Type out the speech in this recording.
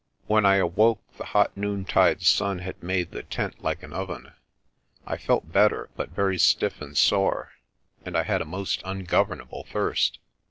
When I awoke the hot noontide sun had made the tent like an oven. I felt better but very stiff and sore, and I had a most ungovernable thirst.